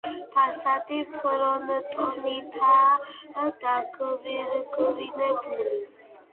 ფასადი ფრონტონითაა დაგვირგვინებული.